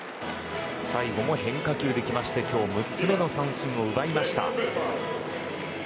最後も変化球できて今日６つ目の三振を奪いました。